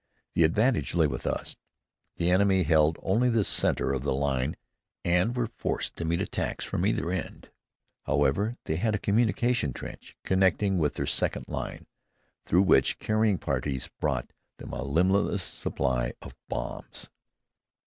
The advantage lay with us. The enemy held only the center of the line and were forced to meet attacks from either end. However, they had a communication trench connecting with their second line, through which carrying parties brought them a limitless supply of bombs.